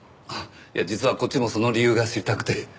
いや実はこっちもその理由が知りたくて。